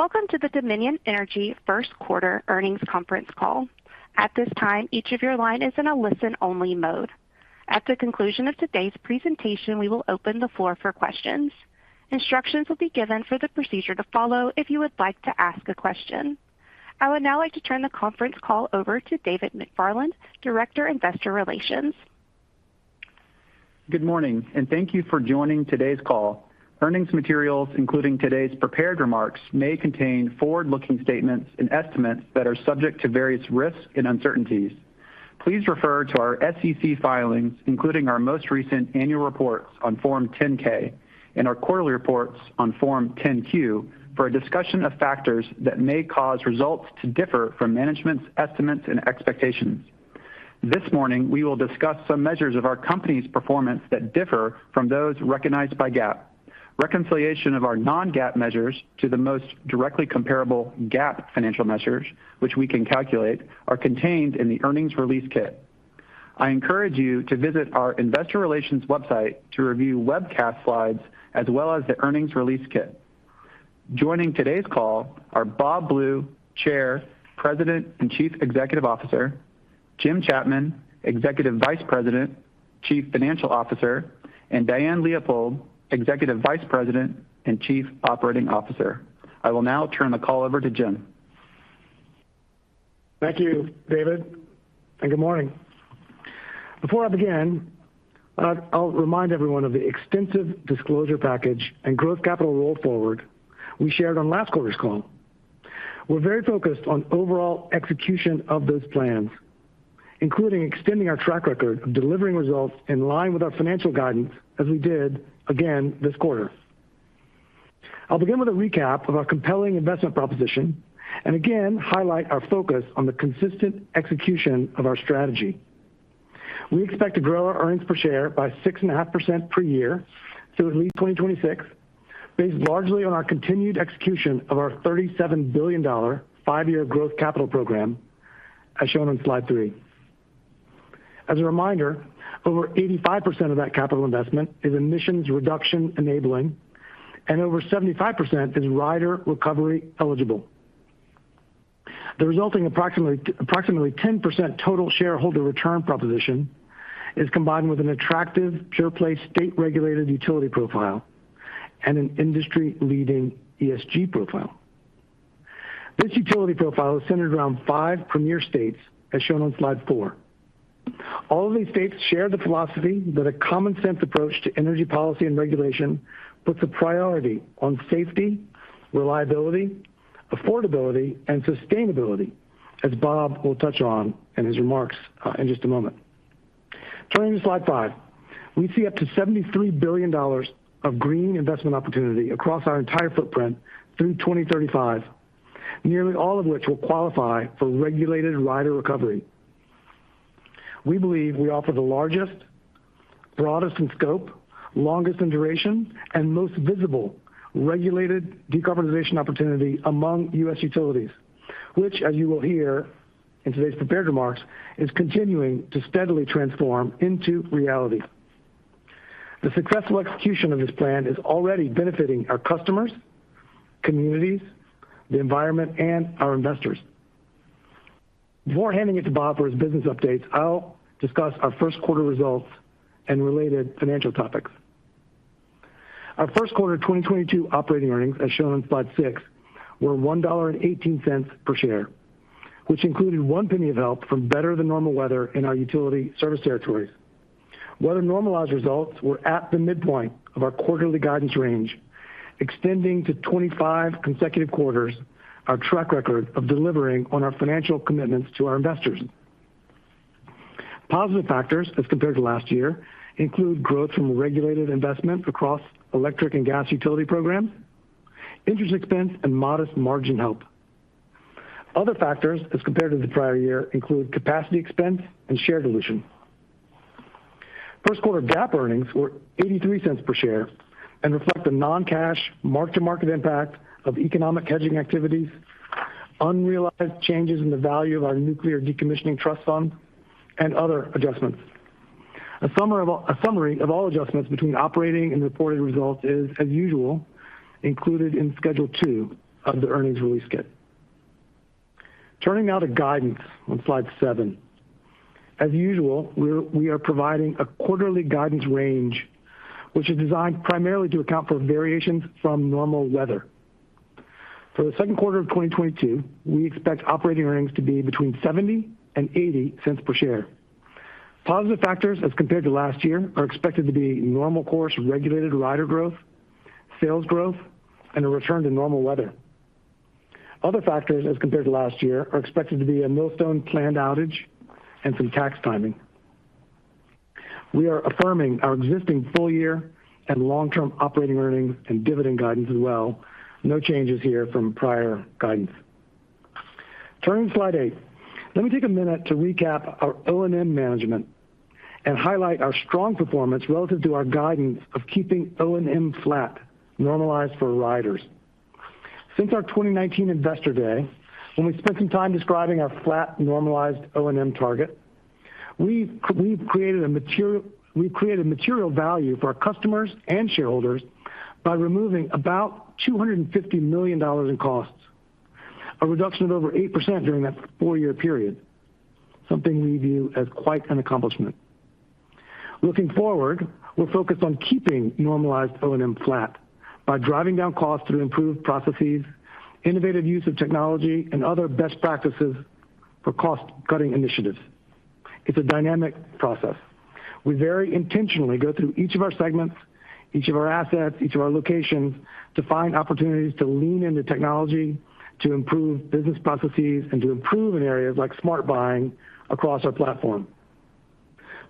Welcome to the Dominion Energy first quarter earnings conference call. At this time, each of your lines is in a listen-only mode. At the conclusion of today's presentation, we will open the floor for questions. Instructions will be given for the procedure to follow if you would like to ask a question. I would now like to turn the conference call over to David McFarland, Director, Investor Relations. Good morning, and thank you for joining today's call. Earnings materials, including today's prepared remarks, may contain forward-looking statements and estimates that are subject to various risks and uncertainties. Please refer to our SEC filings, including our most recent annual reports on Form 10-K and our quarterly reports on Form 10-Q, for a discussion of factors that may cause results to differ from management's estimates and expectations. This morning, we will discuss some measures of our company's performance that differ from those recognized by GAAP. Reconciliation of our non-GAAP measures to the most directly comparable GAAP financial measures, which we can calculate, are contained in the earnings release kit. I encourage you to visit our investor relations website to review webcast slides as well as the earnings release kit. Joining today's call are Bob Blue, Chair, President, and Chief Executive Officer, Jim Chapman, Executive Vice President, Chief Financial Officer, and Diane Leopold, Executive Vice President and Chief Operating Officer. I will now turn the call over to Jim. Thank you, David, and good morning. Before I begin, I'll remind everyone of the extensive disclosure package and growth capital roll forward we shared on last quarter's call. We're very focused on overall execution of those plans, including extending our track record of delivering results in line with our financial guidance as we did again this quarter. I'll begin with a recap of our compelling investment proposition and again highlight our focus on the consistent execution of our strategy. We expect to grow our earnings per share by 6.5% per year through at least 2026, based largely on our continued execution of our $37 billion five-year growth capital program as shown on slide three. As a reminder, over 85% of that capital investment is emissions reduction enabling and over 75% is rider recovery eligible. The resulting approximately ten percent total shareholder return proposition is combined with an attractive pure-play state-regulated utility profile and an industry-leading ESG profile. This utility profile is centered around five premier states, as shown on slide four. All of these states share the philosophy that a common sense approach to energy policy and regulation puts a priority on safety, reliability, affordability, and sustainability, as Bob will touch on in his remarks in just a moment. Turning to slide five. We see up to $73 billion of green investment opportunity across our entire footprint through 2035, nearly all of which will qualify for regulated rider recovery. We believe we offer the largest, broadest in scope, longest in duration, and most visible regulated decarbonization opportunity among U.S. utilities, which, as you will hear in today's prepared remarks, is continuing to steadily transform into reality. The successful execution of this plan is already benefiting our customers, communities, the environment, and our investors. Before handing it to Bob for his business updates, I'll discuss our first quarter 2022 results and related financial topics. Our first quarter 2022 operating earnings, as shown on slide six, were $1.18 per share, which included $0.01 of help from better than normal weather in our utility service territories. Weather normalized results were at the midpoint of our quarterly guidance range, extending to 25 consecutive quarters our track record of delivering on our financial commitments to our investors. Positive factors as compared to last year include growth from regulated investment across electric and gas utility programs, interest expense, and modest margin help. Other factors as compared to the prior year include capacity expense and share dilution. First quarter GAAP earnings were $0.83 per share and reflect the non-cash mark-to-market impact of economic hedging activities, unrealized changes in the value of our nuclear decommissioning trust fund, and other adjustments. A summary of all adjustments between operating and reported results is, as usual, included in Schedule 2 of the earnings release kit. Turning now to guidance on slide seven. As usual, we are providing a quarterly guidance range, which is designed primarily to account for variations from normal weather. For the second quarter of 2022, we expect operating earnings to be between $0.70 and $0.80 per share. Positive factors as compared to last year are expected to be normal course regulated rider growth, sales growth, and a return to normal weather. Other factors as compared to last year are expected to be a Millstone planned outage and some tax timing. We are affirming our existing full year and long-term operating earnings and dividend guidance as well. No changes here from prior guidance. Turning to slide eight. Let me take a minute to recap our O&M management and highlight our strong performance relative to our guidance of keeping O&M flat, normalized for riders. Since our 2019 Investor Day, when we spent some time describing our flat normalized O&M target. We've created material value for our customers and shareholders by removing about $250 million in costs, a reduction of over 8% during that four-year period, something we view as quite an accomplishment. Looking forward, we're focused on keeping normalized O&M flat by driving down costs through improved processes, innovative use of technology, and other best practices for cost-cutting initiatives. It's a dynamic process. We very intentionally go through each of our segments, each of our assets, each of our locations to find opportunities to lean into technology, to improve business processes, and to improve in areas like smart buying across our platform.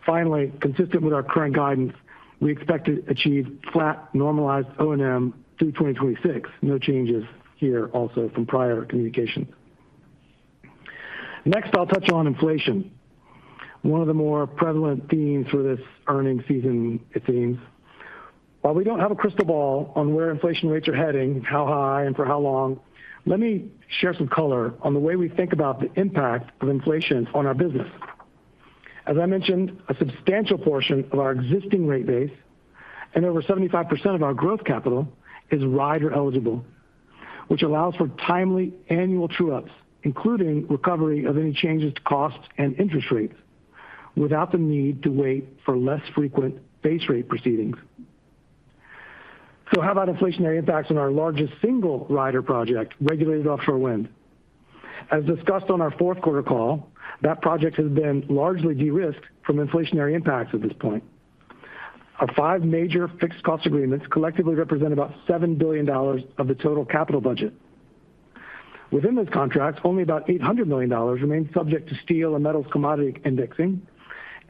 Finally, consistent with our current guidance, we expect to achieve flat normalized O&M through 2026. No changes here also from prior communication. Next, I'll touch on inflation. One of the more prevalent themes for this earnings season, it seems. While we don't have a crystal ball on where inflation rates are heading, how high, and for how long, let me share some color on the way we think about the impact of inflation on our business. As I mentioned, a substantial portion of our existing rate base and over 75% of our growth capital is rider-eligible, which allows for timely annual true-ups, including recovery of any changes to cost and interest rates without the need to wait for less frequent base rate proceedings. How about inflationary impacts on our largest single rider project, regulated offshore wind? As discussed on our fourth quarter call, that project has been largely de-risked from inflationary impacts at this point. Our five major fixed cost agreements collectively represent about $7 billion of the total capital budget. Within those contracts, only about $800 million remains subject to steel and metals commodity indexing,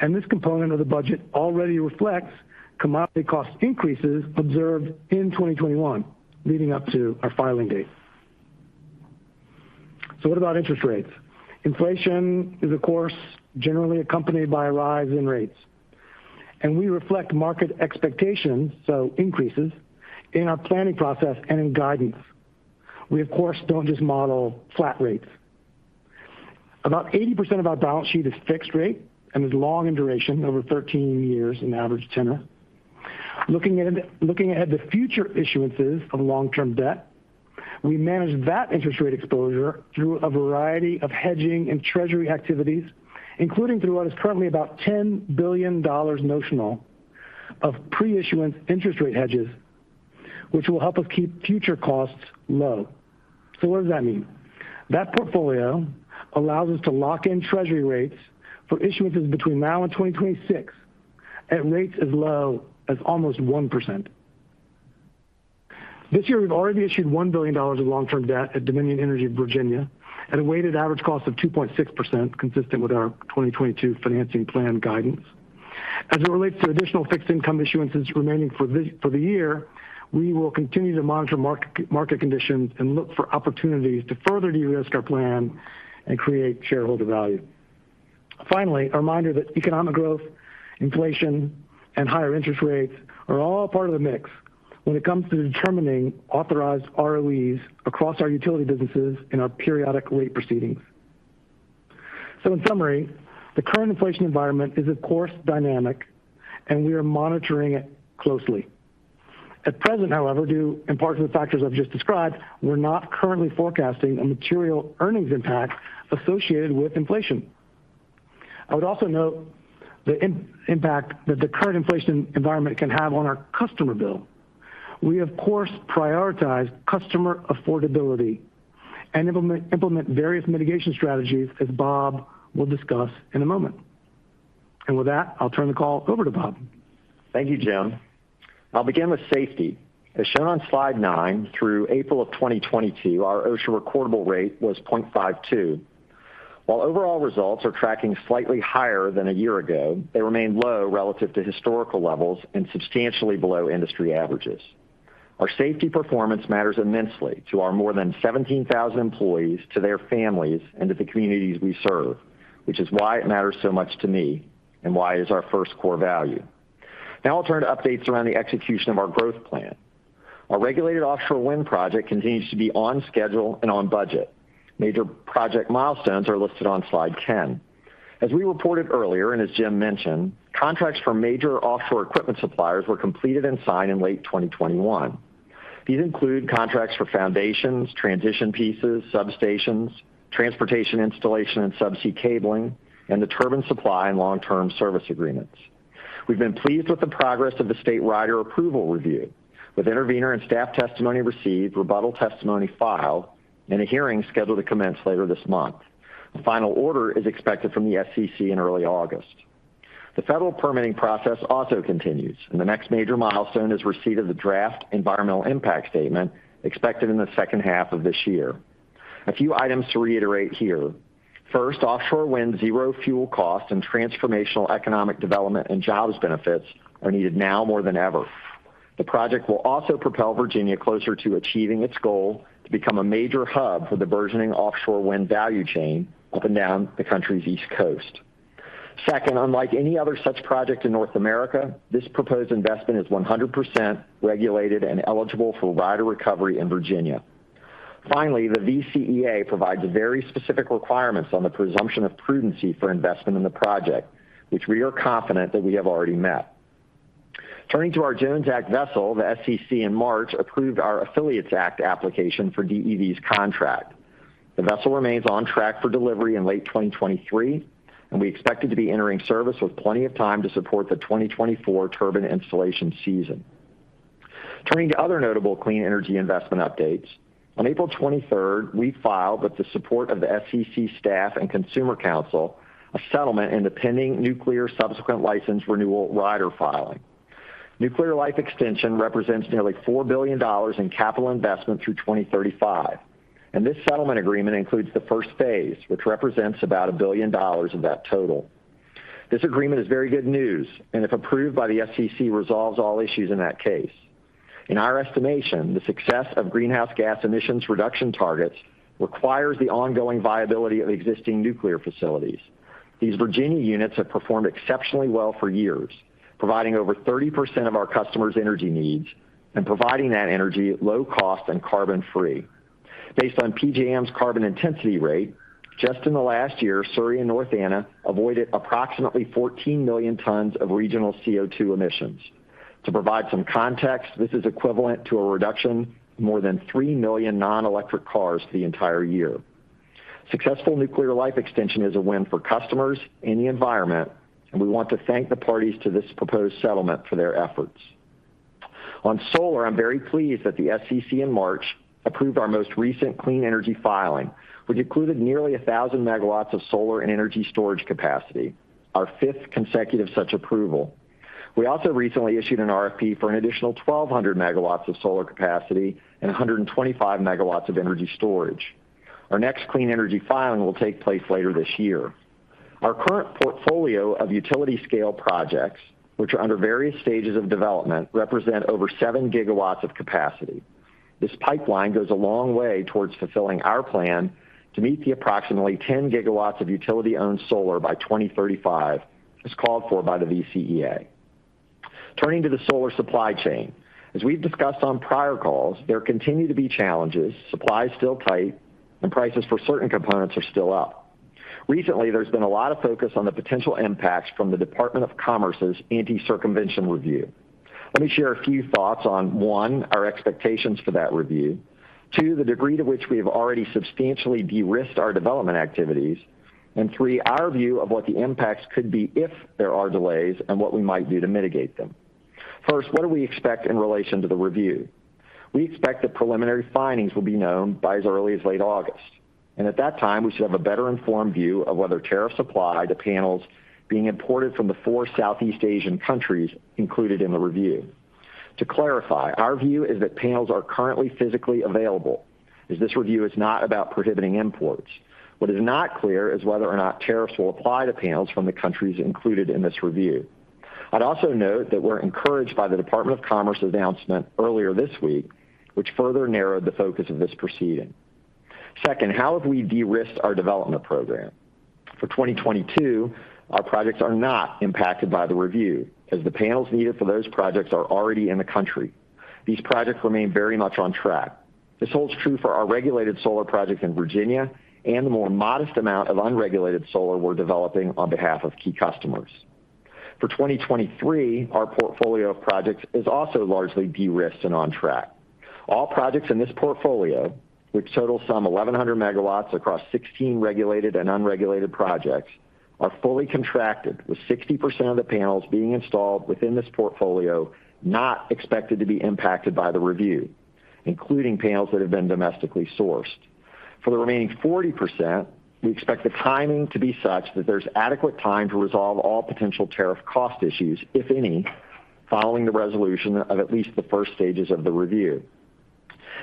and this component of the budget already reflects commodity cost increases observed in 2021 leading up to our filing date. What about interest rates? Inflation is, of course, generally accompanied by a rise in rates. We reflect market expectations, so increases, in our planning process and in guidance. We, of course, don't just model flat rates. About 80% of our balance sheet is fixed rate and is long in duration, over 13 years in average tenure. Looking ahead, the future issuances of long-term debt, we manage that interest rate exposure through a variety of hedging and treasury activities, including through what is currently about $10 billion notional of pre-issuance interest rate hedges, which will help us keep future costs low. What does that mean? That portfolio allows us to lock in treasury rates for issuances between now and 2026 at rates as low as almost 1%. This year, we've already issued $1 billion of long-term debt at Dominion Energy Virginia at a weighted average cost of 2.6%, consistent with our 2022 financing plan guidance. As it relates to additional fixed income issuances remaining for the year, we will continue to monitor market conditions and look for opportunities to further de-risk our plan and create shareholder value. Finally, a reminder that economic growth, inflation, and higher interest rates are all part of the mix when it comes to determining authorized ROEs across our utility businesses in our periodic rate proceedings. In summary, the current inflation environment is of course dynamic, and we are monitoring it closely. At present, however, due in part to the factors I've just described, we're not currently forecasting a material earnings impact associated with inflation. I would also note the impact that the current inflation environment can have on our customer bill. We of course prioritize customer affordability and implement various mitigation strategies, as Bob will discuss in a moment. With that, I'll turn the call over to Bob. Thank you, Jim. I'll begin with safety. As shown on slide nine, through April of 2022, our OSHA recordable rate was 0.52. While overall results are tracking slightly higher than a year ago, they remain low relative to historical levels and substantially below industry averages. Our safety performance matters immensely to our more than 17,000 employees, to their families, and to the communities we serve, which is why it matters so much to me and why it is our first core value. Now I'll turn to updates around the execution of our growth plan. Our regulated offshore wind project continues to be on schedule and on budget. Major project milestones are listed on slide 10. As we reported earlier and as Jim mentioned, contracts for major offshore equipment suppliers were completed and signed in late 2021. These include contracts for foundations, transition pieces, substations, transportation installation, and subsea cabling, and the turbine supply and long-term service agreements. We've been pleased with the progress of the state rider approval review with intervener and staff testimony received, rebuttal testimony filed, and a hearing scheduled to commence later this month. The final order is expected from the SCC in early August. The federal permitting process also continues, and the next major milestone is receipt of the draft environmental impact statement expected in the second half of this year. A few items to reiterate here. First, offshore wind, zero fuel cost, and transformational economic development and jobs benefits are needed now more than ever. The project will also propel Virginia closer to achieving its goal to become a major hub for the burgeoning offshore wind value chain up and down the country's East Coast. Second, unlike any other such project in North America, this proposed investment is 100% regulated and eligible for rider recovery in Virginia. Finally, the VCEA provides very specific requirements on the presumption of prudence for investment in the project, which we are confident that we have already met. Turning to our Jones Act vessel, the SCC in March approved our Affiliates Act application for DEV's contract. The vessel remains on track for delivery in late 2023, and we expect it to be entering service with plenty of time to support the 2024 turbine installation season. Turning to other notable clean energy investment updates. On April 23, we filed, with the support of the SCC staff and Consumer Counsel, a settlement in the pending nuclear subsequent license renewal rider filing. Nuclear life extension represents nearly $4 billion in capital investment through 2035, and this settlement agreement includes the first phase, which represents about $1 billion of that total. This agreement is very good news, and if approved by the SEC, resolves all issues in that case. In our estimation, the success of greenhouse gas emissions reduction targets requires the ongoing viability of existing nuclear facilities. These Virginia units have performed exceptionally well for years, providing over 30% of our customers' energy needs and providing that energy at low cost and carbon-free. Based on PJM's carbon intensity rate, just in the last year, Surry and North Anna avoided approximately 14 million tons of regional CO2 emissions. To provide some context, this is equivalent to a reduction of more than three million non-electric cars for the entire year. Successful nuclear life extension is a win for customers and the environment, and we want to thank the parties to this proposed settlement for their efforts. On solar, I'm very pleased that the SEC in March approved our most recent clean energy filing, which included nearly 1,000 MW of solar and energy storage capacity, our fifth consecutive such approval. We also recently issued an RFP for an additional 1,200 MW of solar capacity and 125 MW of energy storage. Our next clean energy filing will take place later this year. Our current portfolio of utility-scale projects, which are under various stages of development, represent over 7 GW of capacity. This pipeline goes a long way towards fulfilling our plan to meet the approximately 10 GW of utility-owned solar by 2035 as called for by the VCEA. Turning to the solar supply chain. As we've discussed on prior calls, there continue to be challenges, supply is still tight, and prices for certain components are still up. Recently, there's been a lot of focus on the potential impacts from the Department of Commerce's anti-circumvention review. Let me share a few thoughts on, one, our expectations for that review. Two, the degree to which we have already substantially de-risked our development activities. And three, our view of what the impacts could be if there are delays and what we might do to mitigate them. First, what do we expect in relation to the review? We expect the preliminary findings will be known by as early as late August. At that time, we should have a better informed view of whether tariffs apply to panels being imported from the four Southeast Asian countries included in the review. To clarify, our view is that panels are currently physically available, as this review is not about prohibiting imports. What is not clear is whether or not tariffs will apply to panels from the countries included in this review. I'd also note that we're encouraged by the U.S. Department of Commerce announcement earlier this week, which further narrowed the focus of this proceeding. Second, how have we de-risked our development program? For 2022, our projects are not impacted by the review as the panels needed for those projects are already in the country. These projects remain very much on track. This holds true for our regulated solar projects in Virginia and the more modest amount of unregulated solar we're developing on behalf of key customers. For 2023, our portfolio of projects is also largely de-risked and on track. All projects in this portfolio, which total some 1,100 MW across 16 regulated and unregulated projects, are fully contracted, with 60% of the panels being installed within this portfolio not expected to be impacted by the review, including panels that have been domestically sourced. For the remaining 40%, we expect the timing to be such that there's adequate time to resolve all potential tariff cost issues, if any, following the resolution of at least the first stages of the review.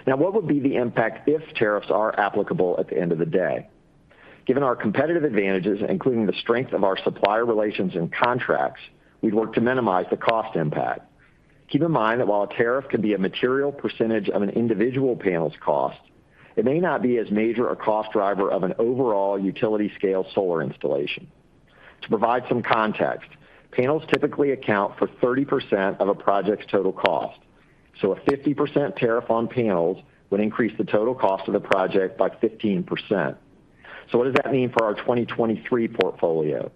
Now, what would be the impact if tariffs are applicable at the end of the day? Given our competitive advantages, including the strength of our supplier relations and contracts, we'd work to minimize the cost impact. Keep in mind that while a tariff can be a material percentage of an individual panel's cost, it may not be as major a cost driver of an overall utility-scale solar installation. To provide some context, panels typically account for 30% of a project's total cost. A 50% tariff on panels would increase the total cost of the project by 15%. What does that mean for our 2023 portfolio?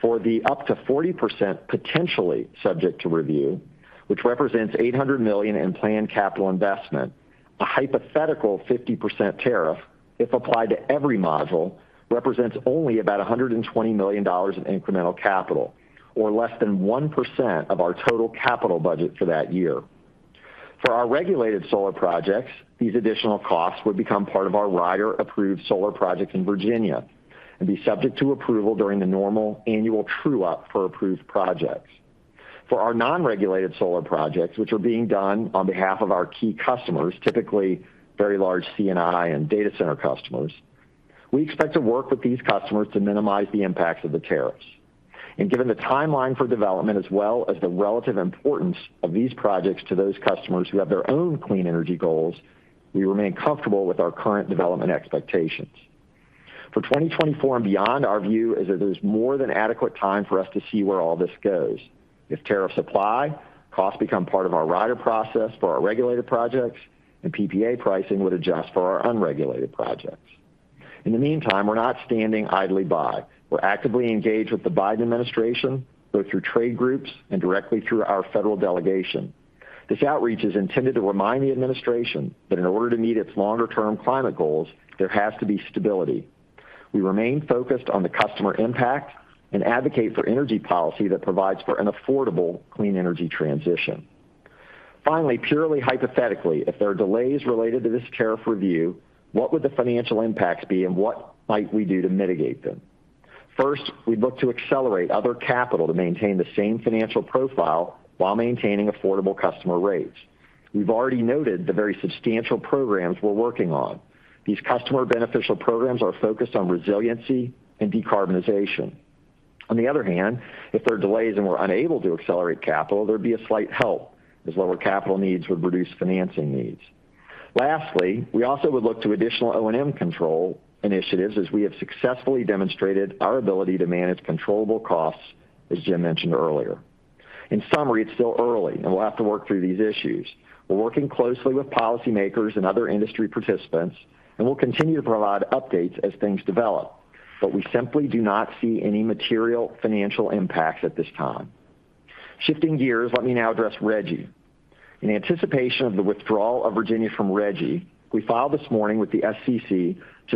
For the up to 40% potentially subject to review, which represents $800 million in planned capital investment, a hypothetical 50% tariff, if applied to every module, represents only about $120 million in incremental capital or less than 1% of our total capital budget for that year. For our regulated solar projects, these additional costs would become part of our rider-approved solar projects in Virginia and be subject to approval during the normal annual true-up for approved projects. For our non-regulated solar projects, which are being done on behalf of our key customers, typically very large C&I and data center customers, we expect to work with these customers to minimize the impacts of the tariffs. Given the timeline for development as well as the relative importance of these projects to those customers who have their own clean energy goals, we remain comfortable with our current development expectations. For 2024 and beyond, our view is that there's more than adequate time for us to see where all this goes. If tariffs apply, costs become part of our rider process for our regulated projects, and PPA pricing would adjust for our unregulated projects. In the meantime, we're not standing idly by. We're actively engaged with the Biden administration, both through trade groups and directly through our federal delegation. This outreach is intended to remind the administration that in order to meet its longer-term climate goals, there has to be stability. We remain focused on the customer impact and advocate for energy policy that provides for an affordable, clean energy transition. Finally, purely hypothetically, if there are delays related to this tariff review, what would the financial impacts be and what might we do to mitigate them? First, we'd look to accelerate other capital to maintain the same financial profile while maintaining affordable customer rates. We've already noted the very substantial programs we're working on. These customer beneficial programs are focused on resiliency and decarbonization. On the other hand, if there are delays and we're unable to accelerate capital, there'd be a slight help as lower capital needs would reduce financing needs. Lastly, we also would look to additional O&M control initiatives as we have successfully demonstrated our ability to manage controllable costs, as Jim mentioned earlier. In summary, it's still early, and we'll have to work through these issues. We're working closely with policymakers and other industry participants, and we'll continue to provide updates as things develop. We simply do not see any material financial impacts at this time. Shifting gears, let me now address RGGI. In anticipation of the withdrawal of Virginia from RGGI, we filed this morning with the SEC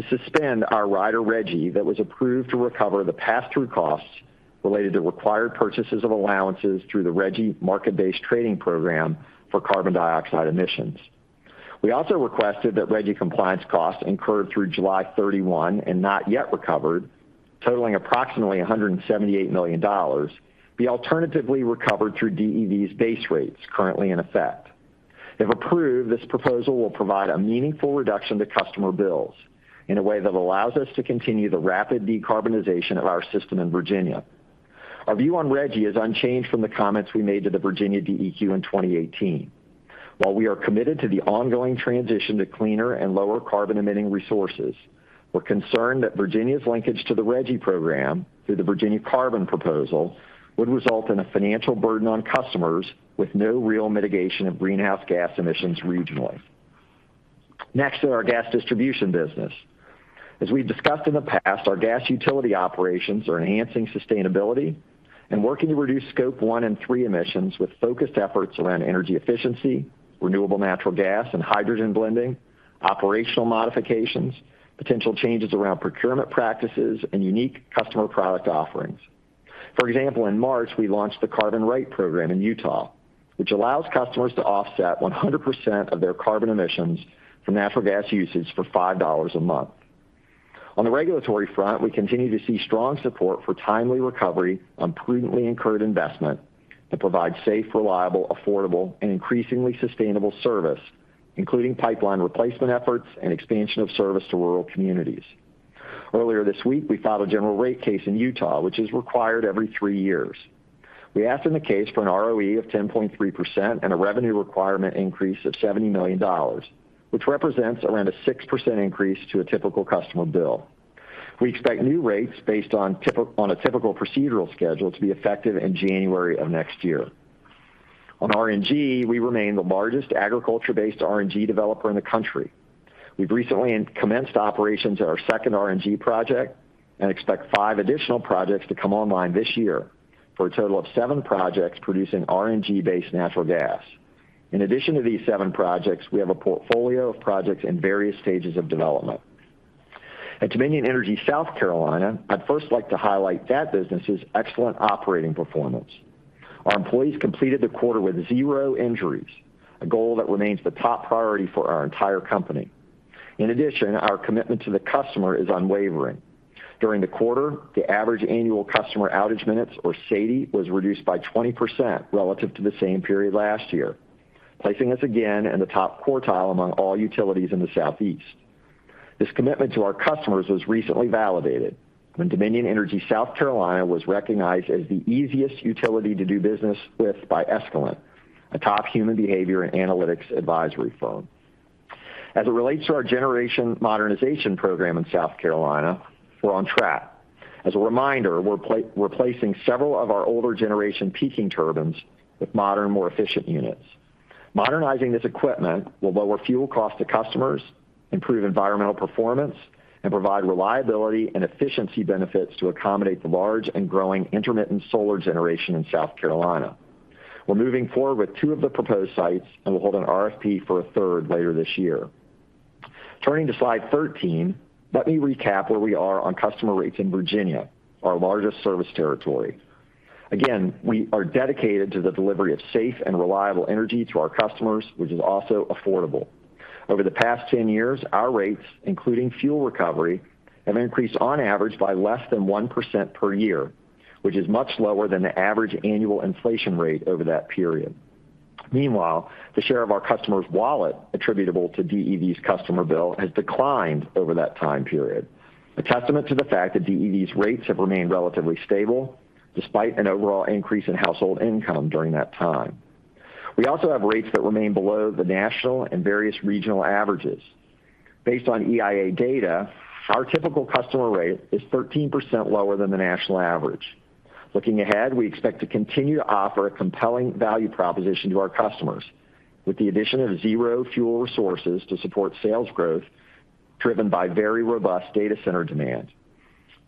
to suspend our Rider RGGI that was approved to recover the pass-through costs related to required purchases of allowances through the RGGI market-based trading program for carbon dioxide emissions. We also requested that RGGI compliance costs incurred through July 31 and not yet recovered, totaling approximately $178 million, be alternatively recovered through DEVs base rates currently in effect. If approved, this proposal will provide a meaningful reduction to customer bills in a way that allows us to continue the rapid decarbonization of our system in Virginia. Our view on RGGI is unchanged from the comments we made to the Virginia DEQ in 2018. While we are committed to the ongoing transition to cleaner and lower carbon-emitting resources, we're concerned that Virginia's linkage to the RGGI program through the Virginia Carbon proposal would result in a financial burden on customers with no real mitigation of greenhouse gas emissions regionally. Next in our Gas Distribution business. As we've discussed in the past, our gas utility operations are enhancing sustainability and working to reduce scope one and three emissions with focused efforts around energy efficiency, renewable natural gas and hydrogen blending, operational modifications, potential changes around procurement practices, and unique customer product offerings. For example, in March, we launched the CarbonRight program in Utah, which allows customers to offset 100% of their carbon emissions from natural gas usage for $5 a month. On the regulatory front, we continue to see strong support for timely recovery on prudently incurred investment to provide safe, reliable, affordable, and increasingly sustainable service, including pipeline replacement efforts and expansion of service to rural communities. Earlier this week, we filed a general rate case in Utah, which is required every three years. We asked in the case for an ROE of 10.3% and a revenue requirement increase of $70 million, which represents around a 6% increase to a typical customer bill. We expect new rates based on a typical procedural schedule to be effective in January of next year. On RNG, we remain the largest agriculture-based RNG developer in the country. We've recently commenced operations of our second RNG project and expect five additional projects to come online this year for a total of seven projects producing RNG-based natural gas. In addition to these seven projects, we have a portfolio of projects in various stages of development. At Dominion Energy South Carolina, I'd first like to highlight that business's excellent operating performance. Our employees completed the quarter with zero injuries, a goal that remains the top priority for our entire company. In addition, our commitment to the customer is unwavering. During the quarter, the average annual customer outage minutes, or SAIDI, was reduced by 20% relative to the same period last year, placing us again in the top quartile among all utilities in the Southeast. This commitment to our customers was recently validated when Dominion Energy South Carolina was recognized as the easiest utility to do business with by Escalent, a top human behavior and analytics advisory firm. As it relates to our generation modernization program in South Carolina, we're on track. As a reminder, we're placing several of our older generation peaking turbines with modern, more efficient units. Modernizing this equipment will lower fuel costs to customers, improve environmental performance, and provide reliability and efficiency benefits to accommodate the large and growing intermittent solar generation in South Carolina. We're moving forward with two of the proposed sites and will hold an RFP for a third later this year. Turning to slide 13, let me recap where we are on customer rates in Virginia, our largest service territory. Again, we are dedicated to the delivery of safe and reliable energy to our customers, which is also affordable. Over the past 10 years, our rates, including fuel recovery, have increased on average by less than 1% per year, which is much lower than the average annual inflation rate over that period. Meanwhile, the share of our customers' wallet attributable to DEVs customer bill has declined over that time period, a testament to the fact that DEVs rates have remained relatively stable despite an overall increase in household income during that time. We also have rates that remain below the national and various regional averages. Based on EIA data, our typical customer rate is 13% lower than the national average. Looking ahead, we expect to continue to offer a compelling value proposition to our customers with the addition of zero fuel resources to support sales growth driven by very robust data center demand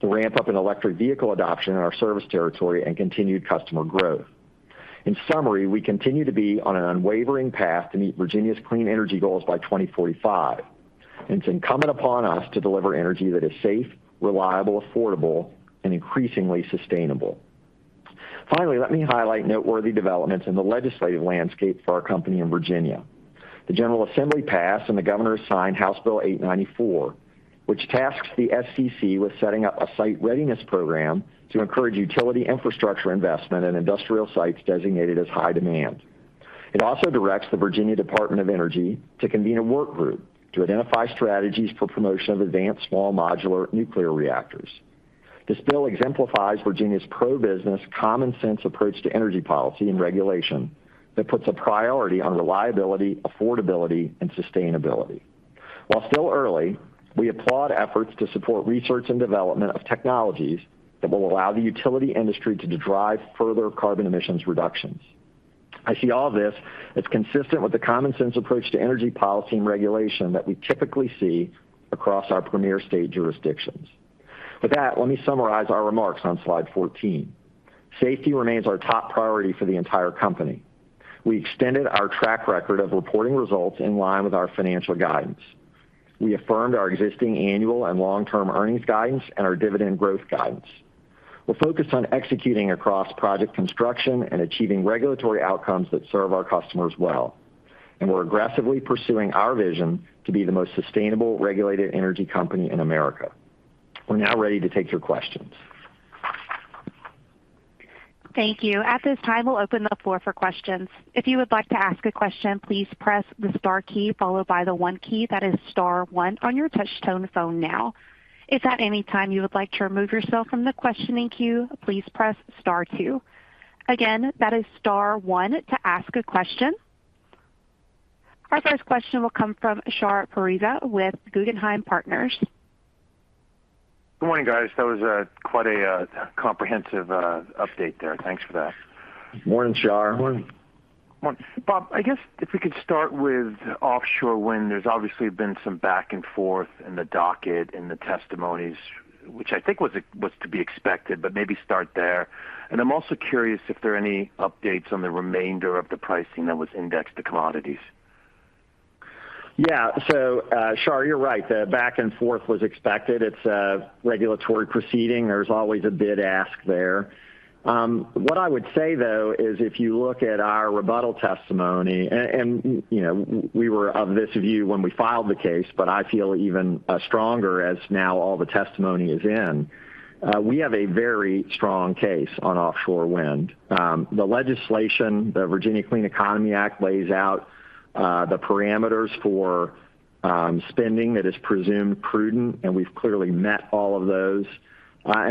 to ramp up an electric vehicle adoption in our service territory and continued customer growth. In summary, we continue to be on an unwavering path to meet Virginia's clean energy goals by 2045. It's incumbent upon us to deliver energy that is safe, reliable, affordable and increasingly sustainable. Finally, let me highlight noteworthy developments in the legislative landscape for our company in Virginia. The General Assembly passed and the governor signed House Bill 894, which tasks the SCC with setting up a site readiness program to encourage utility infrastructure investment in industrial sites designated as high demand. It also directs the Virginia Department of Energy to convene a work group to identify strategies for promotion of advanced small modular nuclear reactors. This bill exemplifies Virginia's pro-business, common sense approach to energy policy and regulation that puts a priority on reliability, affordability and sustainability. While still early, we applaud efforts to support research and development of technologies that will allow the utility industry to drive further carbon emissions reductions. I see all this as consistent with the common sense approach to energy policy and regulation that we typically see across our premier state jurisdictions. With that, let me summarize our remarks on slide 14. Safety remains our top priority for the entire company. We extended our track record of reporting results in line with our financial guidance. We affirmed our existing annual and long-term earnings guidance and our dividend growth guidance. We're focused on executing across project construction and achieving regulatory outcomes that serve our customers well. We're aggressively pursuing our vision to be the most sustainable regulated energy company in America. We're now ready to take your questions. Thank you. At this time, we'll open the floor for questions. If you would like to ask a question, please press the star key followed by the one key, that is star one on your touchtone phone now. If at any time you would like to remove yourself from the questioning queue, please press star two. Again, that is star one to ask a question. Our first question will come from Shar Pourreza with Guggenheim Partners. Good morning, guys. That was quite a comprehensive update there. Thanks for that. Morning, Shar. Morning. Morning. Bob, I guess if we could start with offshore wind. There's obviously been some back and forth in the docket, in the testimonies, which I think was to be expected, but maybe start there. I'm also curious if there are any updates on the remainder of the pricing that was indexed to commodities. Yeah. Shar, you're right. The back and forth was expected. It's a regulatory proceeding. There's always a bid ask there. What I would say, though, is if you look at our rebuttal testimony and you know we were of this view when we filed the case, but I feel even stronger as now all the testimony is in. We have a very strong case on offshore wind. The legislation, the Virginia Clean Economy Act, lays out the parameters for spending that is presumed prudent, and we've clearly met all of those.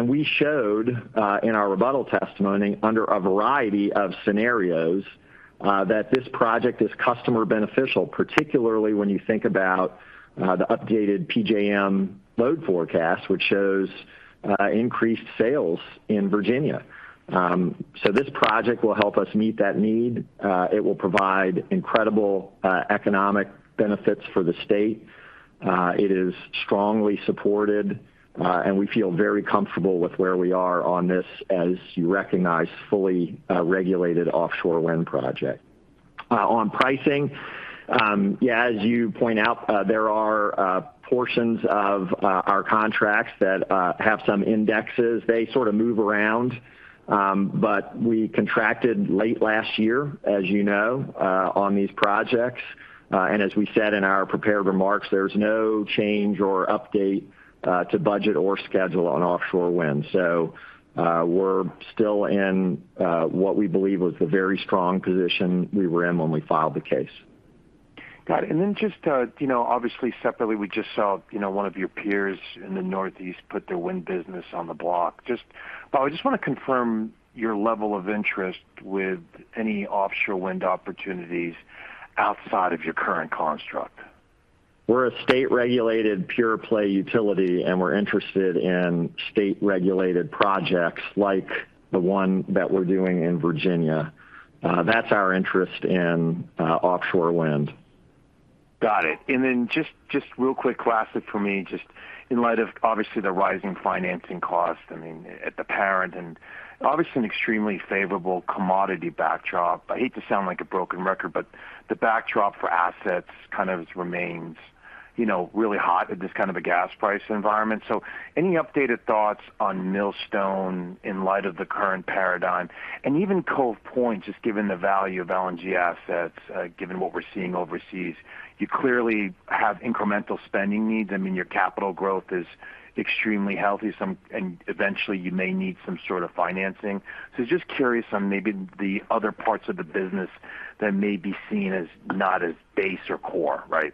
We showed in our rebuttal testimony under a variety of scenarios that this project is customer beneficial, particularly when you think about the updated PJM load forecast, which shows increased sales in Virginia. This project will help us meet that need. It will provide incredible economic benefits for the state. It is strongly supported, and we feel very comfortable with where we are on this as you recognize, fully regulated offshore wind project. On pricing, yeah, as you point out, there are portions of our contracts that have some indexes. They sort of move around. We contracted late last year, as you know, on these projects. As we said in our prepared remarks, there's no change or update to budget or schedule on offshore wind. We're still in what we believe was the very strong position we were in when we filed the case. Got it. Then just, you know, obviously separately, we just saw, you know, one of your peers in the Northeast put their wind business on the block. Just, Bob, I just want to confirm your level of interest with any offshore wind opportunities outside of your current construct. We're a state-regulated pure-play utility, and we're interested in state-regulated projects like the one that we're doing in Virginia. That's our interest in offshore wind. Got it. Just real quick, last thing for me, just in light of obviously the rising financing cost, I mean, at the parent and obviously an extremely favorable commodity backdrop. I hate to sound like a broken record, but the backdrop for assets kind of remains, you know, really hot at this kind of a gas price environment. Any updated thoughts on Millstone in light of the current paradigm? Even Cove Point, just given the value of LNG assets, given what we're seeing overseas. You clearly have incremental spending needs. I mean, your capital growth is extremely healthy. Eventually you may need some sort of financing. Just curious on maybe the other parts of the business that may be seen as not as base or core, right?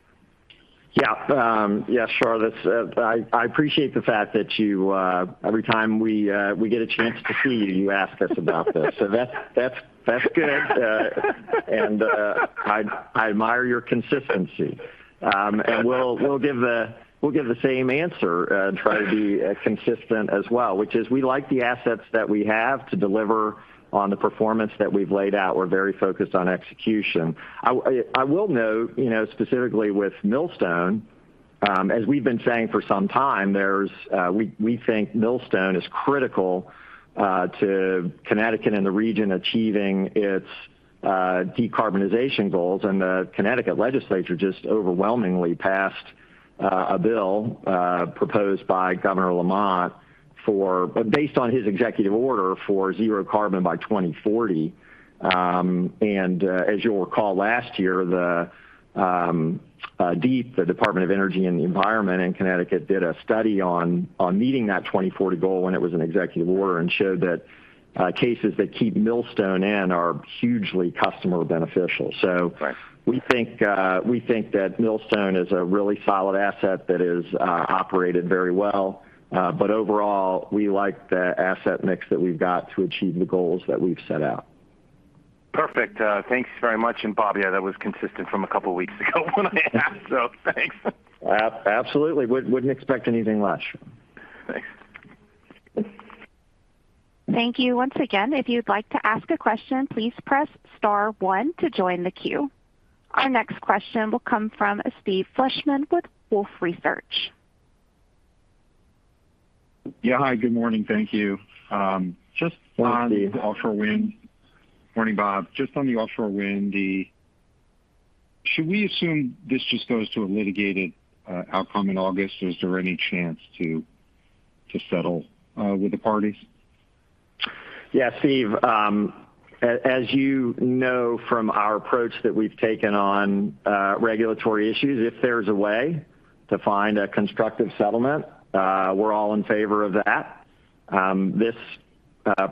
Yeah. Yeah, sure. That's. I appreciate the fact that you every time we get a chance to see you ask us about this. So that's good. I admire your consistency. We'll give the same answer, try to be consistent as well, which is we like the assets that we have to deliver on the performance that we've laid out. We're very focused on execution. I will note, you know, specifically with Millstone, as we've been saying for some time, we think Millstone is critical to Connecticut and the region achieving its decarbonization goals. The Connecticut legislature just overwhelmingly passed a bill proposed by Governor Lamont based on his executive order for zero carbon by 2040. As you'll recall, last year, the DEEP, the Department of Energy and Environmental Protection in Connecticut, did a study on meeting that 2040 goal when it was an executive order, and showed that cases that keep Millstone in are hugely customer beneficial. Right We think that Millstone is a really solid asset that is operated very well. Overall, we like the asset mix that we've got to achieve the goals that we've set out. Perfect. Thanks very much. Bob, yeah, that was consistent from a couple weeks ago when I asked, so thanks. Absolutely. Wouldn't expect anything less. Thanks. Thank you once again. If you'd like to ask a question, please press star one to join the queue. Our next question will come from Steve Fleishman with Wolfe Research. Yeah. Hi, good morning. Thank you. Just on- Hi, Steve. Offshore wind. Morning, Bob. Just on the offshore wind, then should we assume this just goes to a litigated outcome in August? Is there any chance to settle with the parties? Yeah, Steve, as you know from our approach that we've taken on regulatory issues, if there's a way to find a constructive settlement, we're all in favor of that. This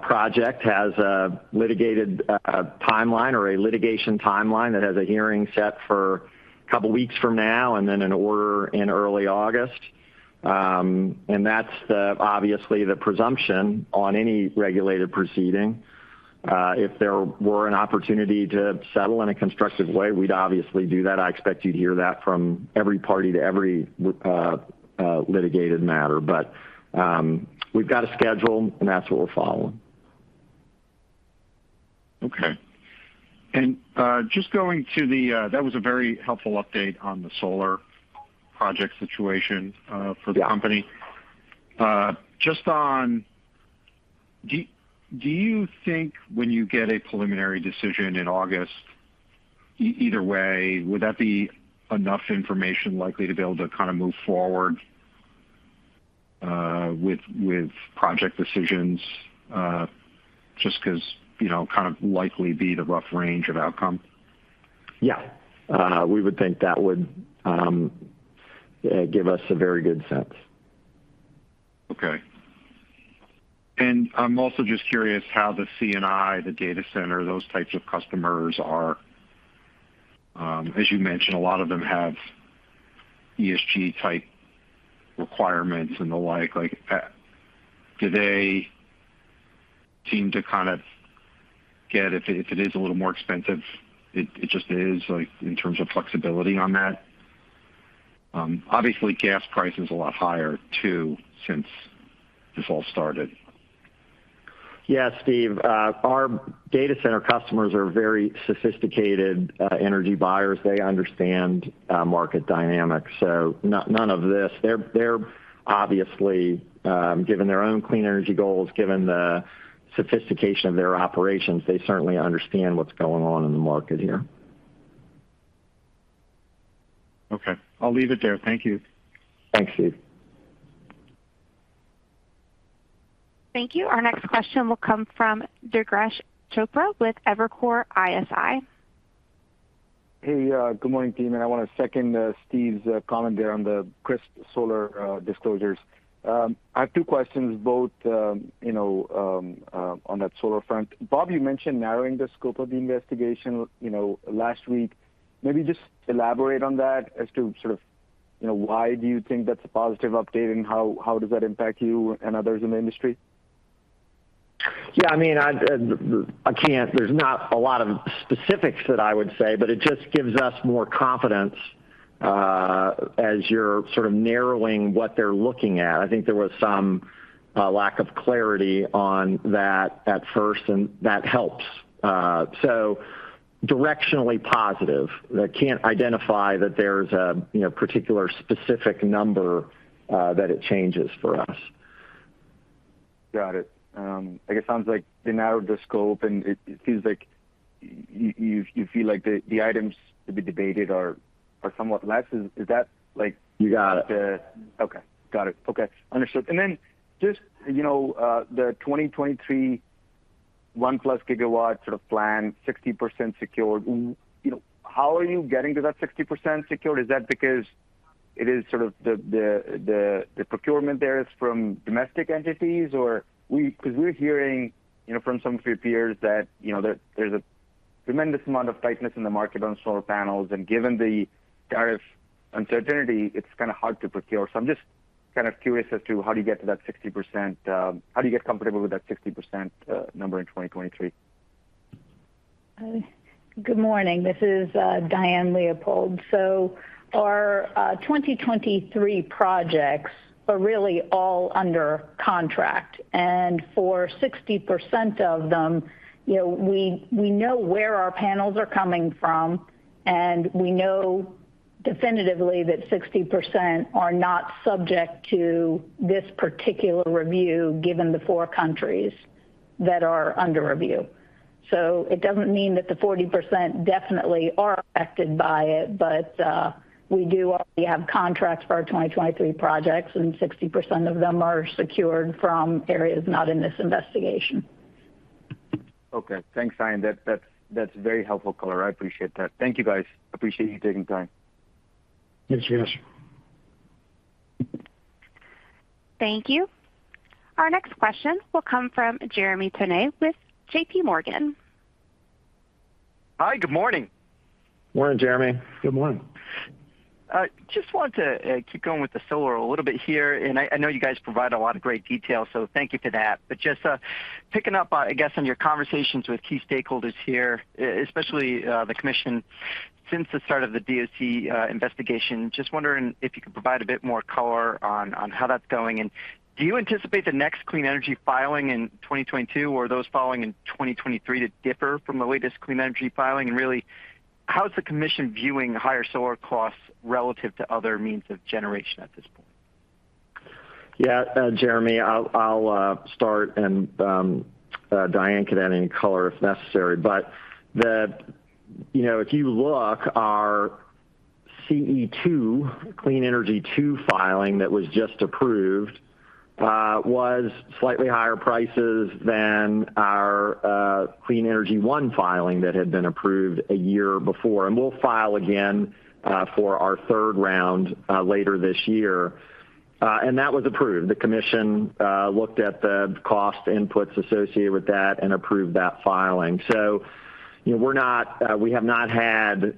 project has a litigated timeline or a litigation timeline that has a hearing set for a couple weeks from now and then an order in early August. That's the obvious presumption on any regulated proceeding. If there were an opportunity to settle in a constructive way, we'd obviously do that. I expect you to hear that from every party to every litigated matter. We've got a schedule, and that's what we're following. Okay. Just going to the.... That was a very helpful update on the solar project situation for the company. Yeah. Just on, do you think when you get a preliminary decision in August, either way, would that be enough information likely to be able to kind of move forward with project decisions, just 'cause, you know, kind of likely be the rough range of outcome? Yeah. We would think that would give us a very good sense. Okay. I'm also just curious how the C&I, the data center, those types of customers are, as you mentioned, a lot of them have ESG-type requirements and the like. Like, do they seem to kind of get if it is a little more expensive, it just is, like, in terms of flexibility on that? Obviously, gas price is a lot higher too since this all started. Yeah, Steve, our data center customers are very sophisticated energy buyers. They understand market dynamics. None of this. They're obviously, given their own clean energy goals, given the sophistication of their operations, they certainly understand what's going on in the market here. Okay. I'll leave it there. Thank you. Thanks, Steve. Thank you. Our next question will come from Durgesh Chopra with Evercore ISI. Hey. Good morning, team. I wanna second Steve's comment there on the crisp solar disclosures. I have two questions both, you know, on that solar front. Bob, you mentioned narrowing the scope of the investigation, you know, last week. Maybe just elaborate on that as to sort of, you know, why do you think that's a positive update, and how does that impact you and others in the industry? Yeah, I mean, I can't. There's not a lot of specifics that I would say, but it just gives us more confidence as you're sort of narrowing what they're looking at. I think there was some lack of clarity on that at first, and that helps. Directionally positive. I can't identify that there's a, you know, particular specific number that it changes for us. Got it. I guess sounds like they narrowed the scope, and it seems like you feel like the items to be debated are somewhat less. Is that like- You got it. Okay. Got it. Okay, understood. Then just, you know, the 2023 1+ GW sort of plan, 60% secured, you know, how are you getting to that 60% secured? Is that because it is sort of the procurement there is from domestic entities? Or 'cause we're hearing, you know, from some of your peers that, you know, there's a tremendous amount of tightness in the market on solar panels, and given the tariff uncertainty, it's kind of hard to procure. I'm just kind of curious as to how do you get to that 60%, how do you get comfortable with that 60% number in 2023? Good morning. This is Diane Leopold. Our 2023 projects are really all under contract. For 60% of them, you know, we know where our panels are coming from, and we know definitively that 60% are not subject to this particular review, given the four countries that are under review. It doesn't mean that the 40% definitely are affected by it. We do already have contracts for our 2023 projects, and 60% of them are secured from areas not in this investigation. Okay. Thanks, Diane. That's very helpful color. I appreciate that. Thank you, guys. Appreciate you taking time. Thanks Durgesh. Thank you. Our next question will come from Jeremy Tonet with JP Morgan. Hi. Good morning. Morning, Jeremy. Good morning. I just wanted to keep going with the solar a little bit here. I know you guys provide a lot of great detail, so thank you for that. Just picking up, I guess on your conversations with key stakeholders here, especially the commission since the start of the DOC investigation. Just wondering if you could provide a bit more color on how that's going. Do you anticipate the next clean energy filing in 2022 or those filing in 2023 to differ from the latest clean energy filing? Really how is the commission viewing higher solar costs relative to other means of generation at this point? Yeah, Jeremy, I'll start and Diane can add any color if necessary. You know, if you look, our CE2, Clean Energy 2 filing that was just approved was slightly higher prices than our Clean Energy one filing that had been approved a year before. We'll file again for our third round later this year. That was approved. The commission looked at the cost inputs associated with that and approved that filing. You know, we're not. We have not had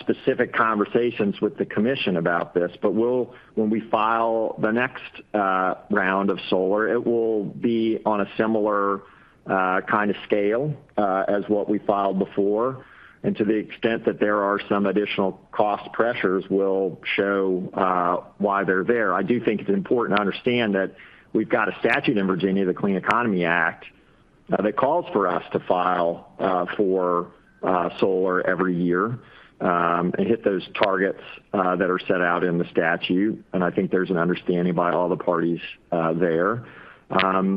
specific conversations with the commission about this. We'll, when we file the next round of solar, it will be on a similar kind of scale as what we filed before. To the extent that there are some additional cost pressures, we'll show why they're there. I do think it's important to understand that we've got a statute in Virginia, the Clean Economy Act, that calls for us to file for solar every year, and hit those targets that are set out in the statute. I think there's an understanding by all the parties there.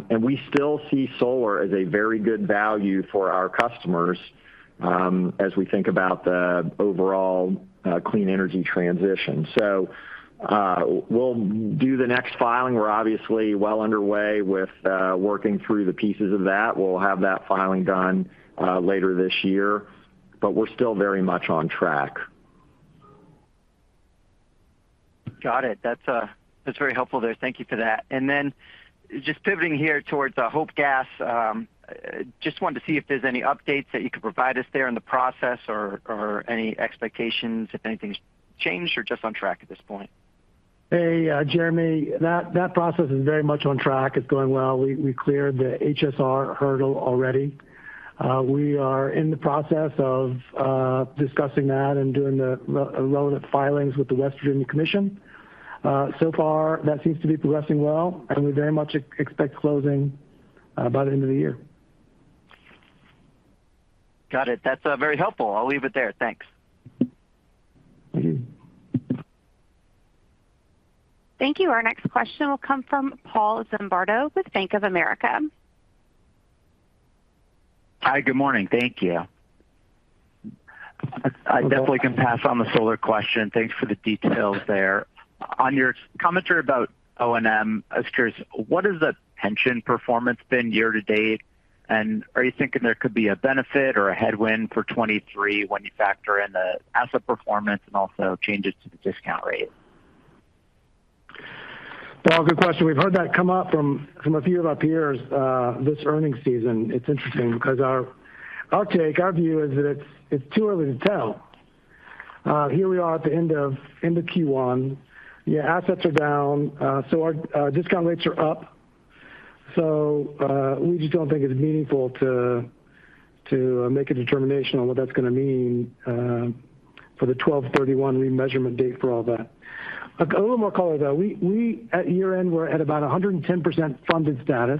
We still see solar as a very good value for our customers, as we think about the overall clean energy transition. We'll do the next filing. We're obviously well underway with working through the pieces of that. We'll have that filing done later this year. We're still very much on track. Got it. That's very helpful there. Thank you for that. Just pivoting here towards Hope Gas. Just wanted to see if there's any updates that you could provide us there in the process or any expectations if anything's changed or just on track at this point? Hey, Jeremy, that process is very much on track. It's going well. We cleared the HSR hurdle already. We are in the process of discussing that and doing the relevant filings with the West Virginia Commission. So far that seems to be progressing well, and we very much expect closing by the end of the year. Got it. That's very helpful. I'll leave it there. Thanks. Thank you. Thank you. Our next question will come from Paul Zimbardo with Bank of America. Hi. Good morning. Thank you. Hello. I definitely can pass on the solar question. Thanks for the details there. On your commentary about O&M, I was curious, what has the pension performance been year to date? Are you thinking there could be a benefit or a headwind for 2023 when you factor in the asset performance and also changes to the discount rate? Paul, good question. We've heard that come up from a few of our peers this earnings season. It's interesting because our take, our view is that it's too early to tell. Here we are at the end of Q1. The assets are down, so our discount rates are up. We just don't think it's meaningful to make a determination on what that's gonna mean for the December 31 remeasurement date for all that. A little more color though, we at year-end were at about 110% funded status.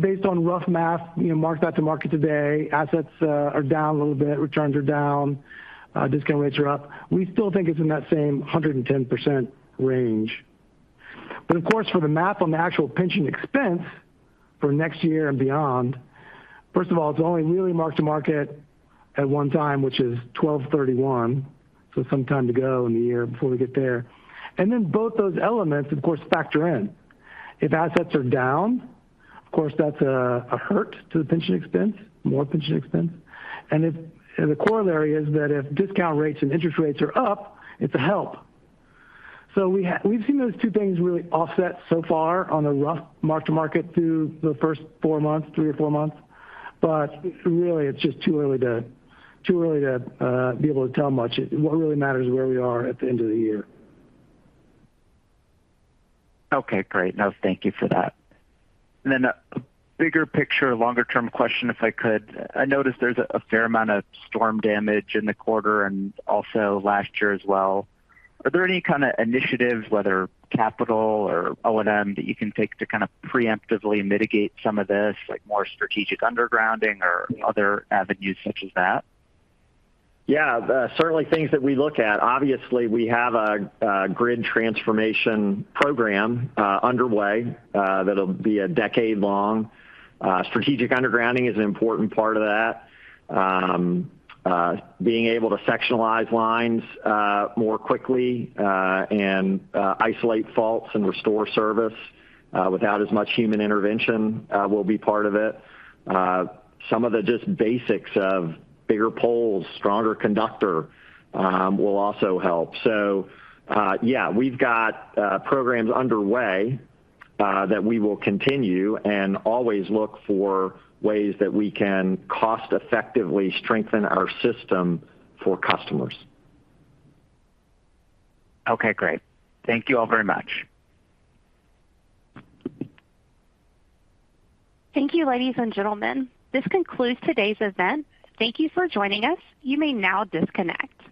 Based on rough math, you know, mark that to market today, assets are down a little bit, returns are down, discount rates are up. We still think it's in that same 110% range. Of course, for the math on the actual pension expense for next year and beyond, first of all, it's only really mark to market at one time, which is December 31, so some time to go in the year before we get there. Then both those elements of course factor in. If assets are down, of course, that's a hurt to the pension expense, more pension expense. The corollary is that if discount rates and interest rates are up, it's a help. We've seen those two things really offset so far on a rough mark to market through the first four months, three or four months. Really it's just too early to be able to tell much. What really matters is where we are at the end of the year. Okay, great. No, thank you for that. A bigger picture, longer term question, if I could. I noticed there's a fair amount of storm damage in the quarter and also last year as well. Are there any kind of initiatives, whether capital or O&M, that you can take to kind of preemptively mitigate some of this, like more strategic undergrounding or other avenues such as that? Yeah. Certainly things that we look at. Obviously, we have a grid transformation program underway that'll be a decade long. Strategic undergrounding is an important part of that. Being able to sectionalize lines more quickly and isolate faults and restore service without as much human intervention will be part of it. Some of the just basics of bigger poles, stronger conductor will also help. Yeah, we've got programs underway that we will continue and always look for ways that we can cost effectively strengthen our system for customers. Okay, great. Thank you all very much. Thank you, ladies and gentlemen. This concludes today's event. Thank you for joining us. You may now disconnect.